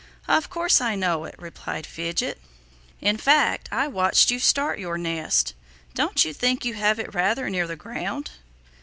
"Of course I know it," replied Fidget. "In fact I watched you start your nest. Don't you think you have it rather near the ground?"